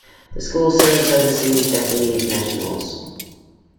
The school serves overseas Japanese nationals.